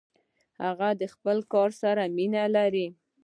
هغه د خپل کار سره مینه لري.